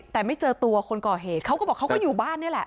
แต่ไม่เจอตัวคนก่อเหตุเขาก็บอกเขาก็อยู่บ้านนี่แหละ